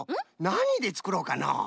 なにでつくろうかのう？